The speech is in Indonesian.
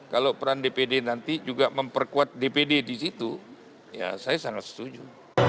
kalau peran dpd nanti juga memperkuat dpd di situ ya saya sangat setuju